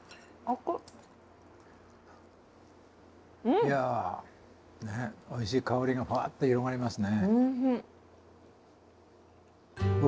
いやおいしい香りがファって広がりますね。